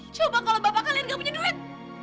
coba kalau bapak kalian gak punya duit